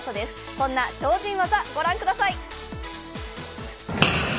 そんな超人技、ご覧ください！